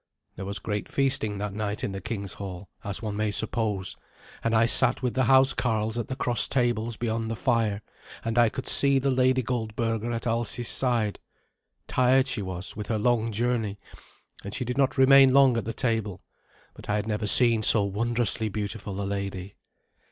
There was great feasting that night in the king's hall, as one may suppose, and I sat with the housecarls at the cross tables beyond the fire, and I could see the Lady Goldberga at Alsi's side. Tired she was with her long journey, and she did not remain long at the table; but I had never seen so wondrously beautiful a lady.